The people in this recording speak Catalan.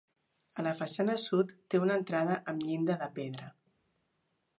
A la façana sud té una entrada amb llinda de pedra.